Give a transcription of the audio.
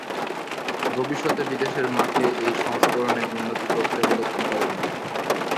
ভবিষ্যতে বিদেশের মাঠে এই সংস্করণে উন্নতি করতে হলে কী করণীয়?